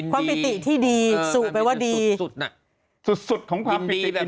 ความปิติที่ดีสูตรแปลว่าดีสุดน่ะสุดของความปิติที่ดี